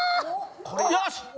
よし！